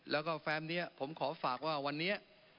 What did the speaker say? แล้วก็แฟมนี้ผมขอฝากว่าวันนี้